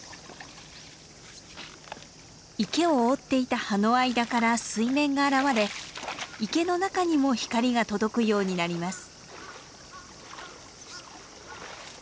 池を覆っていた葉の間から水面が現れ池の中にも光が届くようになります。